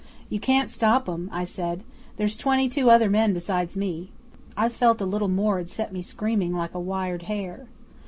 '"You can't stop 'em," I said. "There's twenty two other men besides me." I felt a little more 'ud set me screaming like a wired hare.